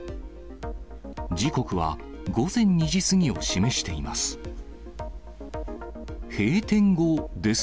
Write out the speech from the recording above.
時刻は午前２時過ぎを示しています。